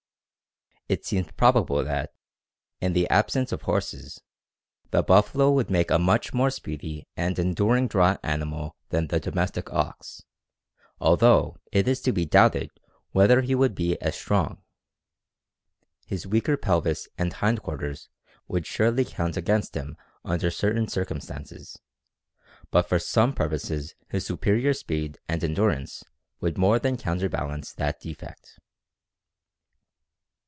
It seems probable that, in the absence of horses, the buffalo would make a much more speedy and enduring draught animal than the domestic ox, although it is to be doubted whether he would be as strong. His weaker pelvis and hind quarters would surely count against him under certain circumstances, but for some purposes his superior speed and endurance would more than counterbalance that defect.